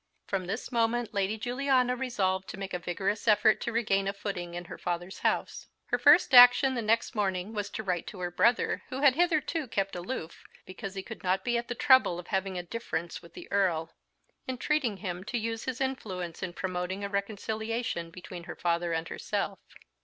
From this moment Lady Juliana resolved to make a vigorous effort to regain a footing in her father's house. Her first action the next morning was to write to her brother, who had hitherto kept aloof, because he could not be at the trouble of having a difference with the Earl, entreating him to use his influence in promoting a reconciliation between her father and herself.